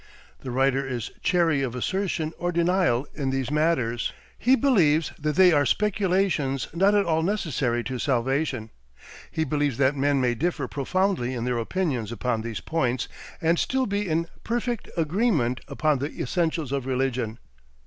The writer is chary of assertion or denial in these matters. He believes that they are speculations not at all necessary to salvation. He believes that men may differ profoundly in their opinions upon these points and still be in perfect agreement upon the essentials of religion.